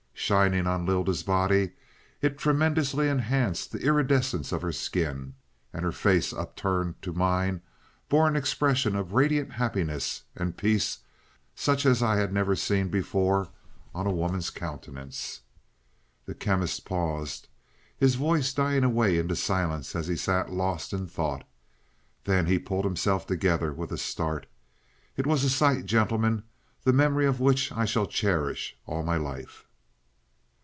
Shining on Lylda's body, it tremendously enhanced the iridescence of her skin. And her face, upturned to mine, bore an expression of radiant happiness and peace such as I had never seen before on a woman's countenance." The Chemist paused, his voice dying away into silence as he sat lost in thought. Then he pulled himself together with a start. "It was a sight, gentlemen, the memory of which I shall cherish all my life.